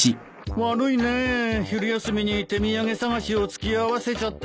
悪いね昼休みに手土産探しを付き合わせちゃって。